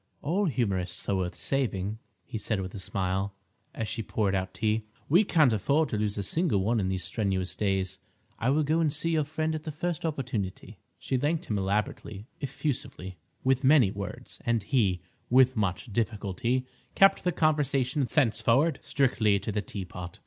"All humorists are worth saving," he said with a smile, as she poured out tea. "We can't afford to lose a single one in these strenuous days. I will go and see your friend at the first opportunity." She thanked him elaborately, effusively, with many words, and he, with much difficulty, kept the conversation thenceforward strictly to the teapot.